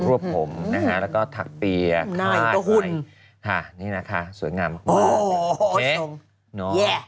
รวบผมนะคะแล้วก็ถักเปียร์หน้าอีกกระหุ่นนี่นะคะสวยงามมากโอ้โหเสียง